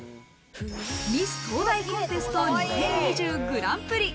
ミス東大コンテスト２０２０グランプリ。